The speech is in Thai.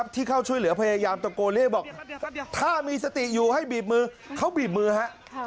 ที่เข้าช่วยเหลือพยายามตะโกนเรียกบอกถ้ามีสติอยู่ให้บีบมือเขาบีบมือฮะ